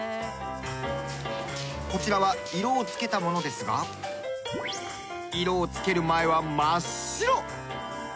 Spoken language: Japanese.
こちらは色をつけたものですが色をつける前は真っ白！